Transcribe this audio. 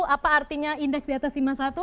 apa artinya indeks di atas lima puluh satu